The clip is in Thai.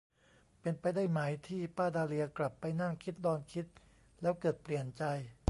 เป็นไปได้ไหมที่ป้าดาเลียกลับไปนั่งคิดนอนคิดแล้วเกิดเปลี่ยนใจ ?